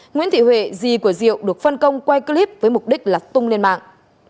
nguyễn thị huệ dì của diệu được phân công quay clip với mục đích là tung lên mạng